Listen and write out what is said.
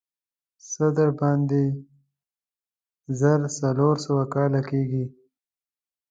څه باندې زر څلور سوه کاله کېږي.